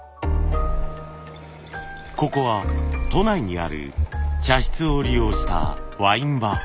ここは都内にある茶室を利用したワインバー。